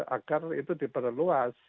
agar itu diperluas